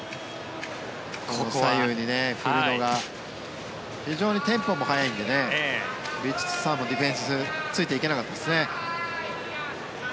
左右に振るのが非常にテンポも速いのでヴィチットサーンもディフェンスついていけなかったですね。